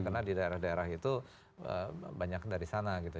karena di daerah daerah itu banyak dari sana gitu